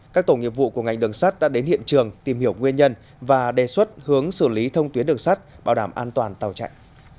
các tổ nghiệp vụ của ngành đường sắt đã đến hiện trường tìm hiểu nguyên nhân và đề xuất hướng xử lý thông tuyến đường sắt bảo đảm an toàn tàu chạy